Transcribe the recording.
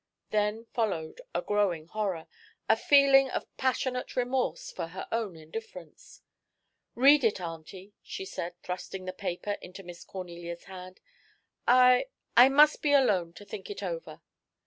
Then followed a growing horror, a feeling of passionate remorse for her own indifference. "Read it, auntie," she said, thrusting the paper into Miss Cornelia's hand. "I I must be alone to think it over."